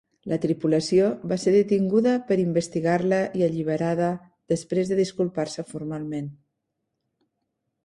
La tripulació va ser detinguda per investigar-la i alliberada després de disculpar-se formalment.